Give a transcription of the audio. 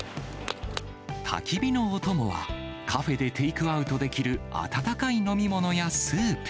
たき火のお供は、カフェでテイクアウトできる、温かい飲み物やスープ。